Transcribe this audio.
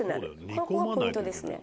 「ここがポイントですね」